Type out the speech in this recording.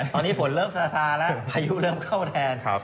ตอนนี้ฝนเริ่มซาแล้วพายุเริ่มเข้าแทน